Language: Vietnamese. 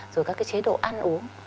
rồi các cái chế độ ăn uống